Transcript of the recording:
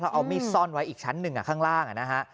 เอามีดซ่อนไว้อีกชั้นหนึ่งข้างล่างนะฮะ